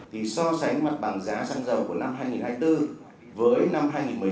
thì so sánh mặt bằng giá xăng dầu của năm hai nghìn hai mươi bốn với năm hai nghìn một mươi chín